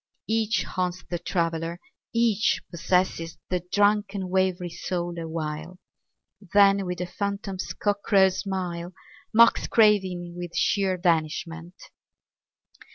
.. Each haunts the traveller, each possesses The drunken wavering soul awhile. Then with a phantom's cock crow smile Mocks craving with sheer vanishment.